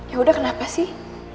yaudah kenapa sih